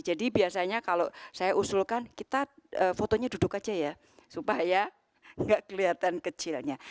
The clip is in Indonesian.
jadi biasanya kalau saya usulkan kita fotonya duduk saja ya supaya tidak kelihatan kecilnya